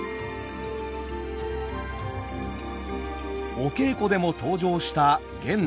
お稽古でも登場した源太。